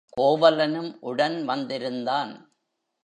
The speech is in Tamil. கோவலனும் உடன் வந்திருந்தான்.